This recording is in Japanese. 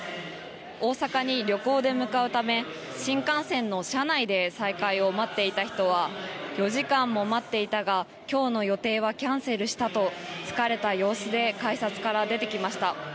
大阪に旅行で向かうため新幹線の車内で再開を待っていた人は４時間も待っていたが今日の予定はキャンセルしたと疲れた様子で改札から出てきました。